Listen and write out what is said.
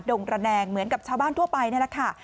งระแนงเหมือนกับชาวบ้านทั่วไปนี่แหละค่ะ